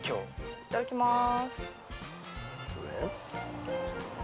いただきます。